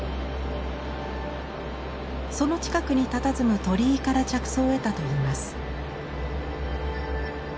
その近くにたたずむ鳥居から着想を得たといいます。